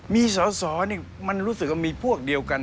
มีสอสอนี่มันรู้สึกว่ามีพวกเดียวกัน